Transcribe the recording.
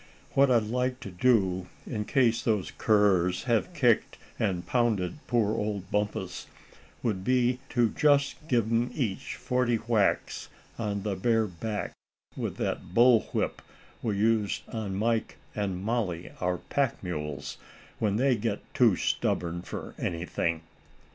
"What I'd like to do in case those curs have kicked and pounded poor old Bumpus, would be to just give 'em each forty whacks on the bare back with that bull whip we use on Mike and Molly, our pack mules, when they get too stubborn for anything."